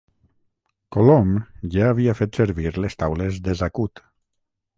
Colom ja havia fet servir les taules de Zacut.